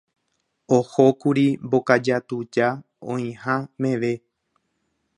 Ohókuri Mbokaja tuja oĩha meve.